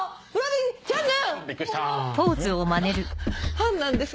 ファンなんです。